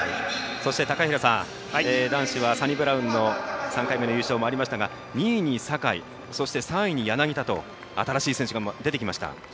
そして、高平さん男子はサニブラウンの優勝もありましたが２位に坂井、３位に柳田と新しい選手が出てきました。